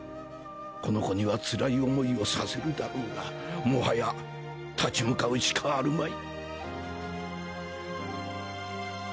この子にはつらい思いをさせるだろうがもはや立ち向かうしかあるまい。